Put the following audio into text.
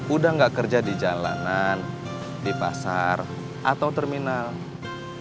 udah gak kerja di jalanan di pasar atau terminal